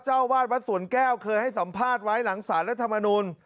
เจ้าวาดวัดสวนแก้วเคยให้สัมภาษณ์ไว้หลังสารรัฐมนุน